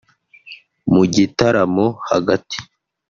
Mu gitaramo hagati